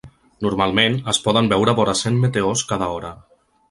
Normalment, es poden veure vora cent meteors cada hora.